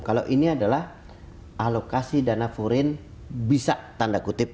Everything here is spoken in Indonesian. kalau ini adalah alokasi dana foreign bisa tanda kutip